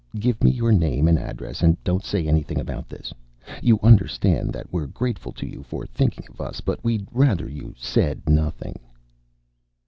Give me your name and address and don't say anything about this. You understand that we're grateful to you for thinking of us, but we'd rather you said nothing."